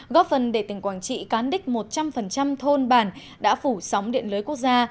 góp phần để tỉnh quảng trị cán đích một trăm linh thôn bản đã phủ sóng điện lưới quốc gia